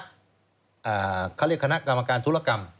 เขาเรียกคณะกรรมการธุรกรรม